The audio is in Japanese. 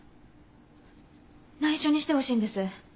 ないしょにしてほしいんです。